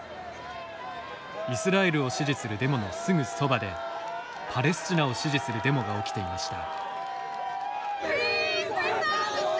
イスラエルを支持するデモのすぐそばでパレスチナを支持するデモが起きていました。